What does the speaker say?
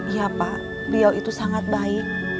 iya pak beliau itu sangat baik